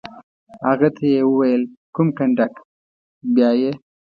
هغه ته یې وویل: کوم کنډک؟ بیا یې.